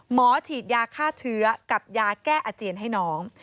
หมอฉีดยาฆ่าเชื้อกับยาแก้อาเจียนให้น้อง